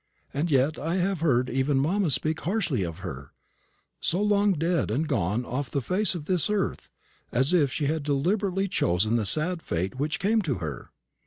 And yet I have heard even mamma speak harshly of her so long dead and gone off the face of this earth as if she had deliberately chosen the sad fate which came to her."